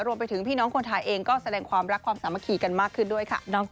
พี่น้องคนไทยเองก็แสดงความรักความสามัคคีกันมากขึ้นด้วยค่ะ